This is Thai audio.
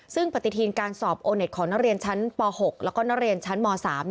ซึ่งปฏิทินการสอบโอเน็ตของนักเรียนชั้นป๖แล้วก็นักเรียนชั้นม๓